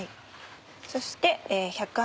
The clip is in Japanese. そして。